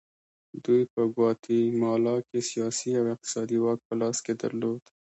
دوی په ګواتیمالا کې سیاسي او اقتصادي واک په لاس کې درلود.